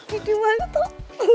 jadi malu tuh